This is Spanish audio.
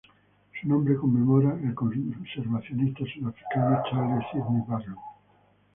Su nombre conmemora al conservacionista sudafricano Charles Sydney Barlow.